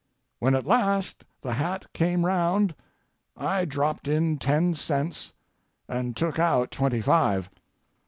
When at last the hat came round I dropped in ten cents—and took out twenty five.